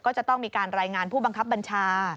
ก็จะต้องมีการรายงานผู้บังคับบัญชา